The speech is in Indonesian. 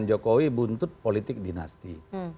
jokowi buntut politik dinasti